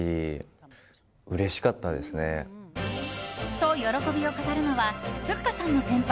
と喜びを語るのはふっかさんの先輩